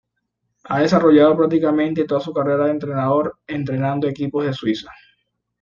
Ha desarrollado prácticamente toda su carrera de entrenador entrenando a equipos de Suiza.